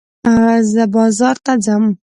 زه بازار ته ځم.